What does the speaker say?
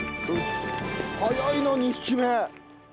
早いな２匹目。